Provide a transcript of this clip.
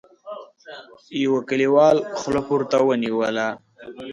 يوه کليوال خوله پورته ونيوله: